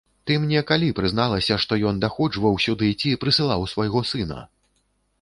Ты мне калі прызналася, што ён даходжваў сюды ці прысылаў свайго сына?